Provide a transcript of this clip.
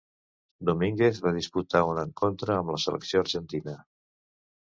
Domínguez va disputar un encontre amb la selecció argentina.